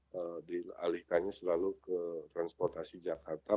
jadi alihkannya selalu ke transportasi jakarta